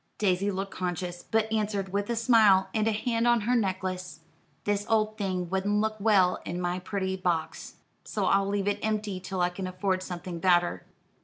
Daisy looked conscious, but answered, with a smile, and a hand on her necklace, "This old thing wouldn't look well in my pretty box, so I'll leave it empty till I can afford something better."